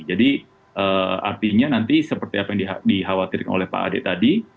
jadi artinya nanti seperti apa yang dikhawatirkan oleh pak adik tadi